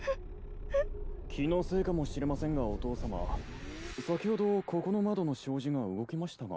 ・気のせいかもしれませんがお父様さきほどここの窓の障子が動きましたが。